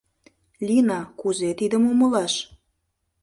— Лина, кузе тидым умылаш?